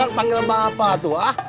jangan panggil bapak tuh ah